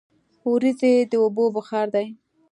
وریځې د اوبو بخار دي.